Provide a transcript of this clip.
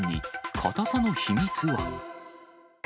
硬さの秘密は？